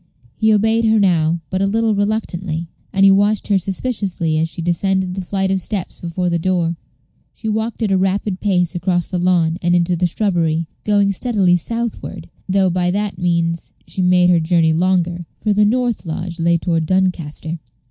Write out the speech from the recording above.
He obeyed her now, but a little reluctantly; and he watched her suspiciously as she descended the flight of steps before the door. She walked at a rapid pace across the lawn, and into the shrubbery, going steadily southward, though by that means she made her journey longer; for the north lodge lay toward Doncaster.